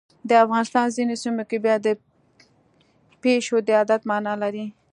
د افغانستان ځینو سیمو کې بیا د پیشو د عادت مانا لري.